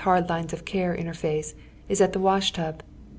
45 hard lines of care in Iier face, ia at the wash tub.